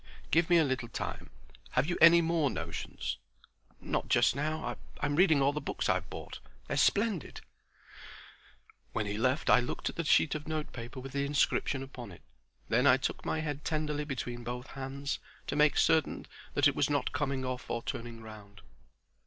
"Give me a little time. Have you any more notions?" "Not just now. I'm reading all the books I've bought. They're splendid." When he had left I looked at the sheet of note paper with the inscription upon it. Then I took my head tenderly between both hands, to make certain that it was not coming off or turning round.